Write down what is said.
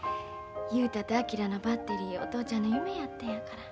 雄太と昭のバッテリーお父ちゃんの夢やったんやから。